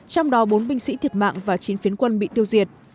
trong đó bốn binh sĩ thiệt mạng và chín phiến quân bị tiêu diệt